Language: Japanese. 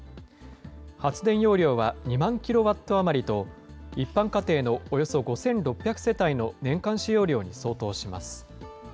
発電容量は２万キロワット余りと、一般家庭のおよそ５６００世帯の年間使用量に相当します。